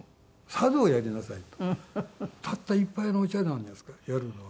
たった一杯のお茶なんですけどやるのは。